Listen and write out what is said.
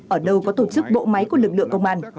ở đâu có tổ chức bộ máy của lực lượng công an